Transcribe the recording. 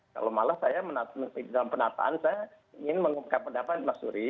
kalau malah saya dalam penataan saya ingin mengungkap pendapat mas suri